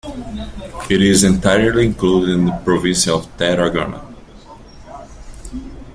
It is entirely included in the province of Tarragona.